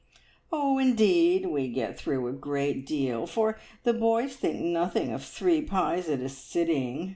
"Oh, indeed, we get through a great deal, for the boys think nothing of three pies at a sitting.